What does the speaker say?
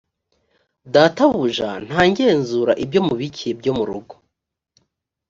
databuja ntagenzura ibyo mubikiye byo mu rugo